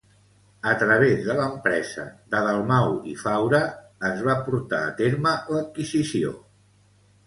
A través de l'empresa de Dalmau i Faura, es va portar a terme l'adquisició.